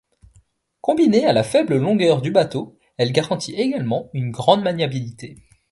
Combinée à la faible longueur du bateau, elle garantit également une grande maniabilité.